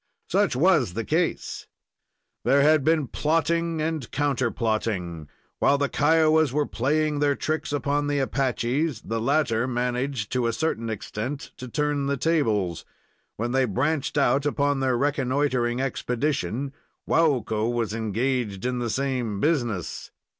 Such was the case. There had been plotting and counterplotting. While the Kiowas were playing their tricks upon the Apaches, the latter managed to a certain extent to turn the tables. When they branched out upon their reconnoitering expedition, Waukko was engaged in the same business.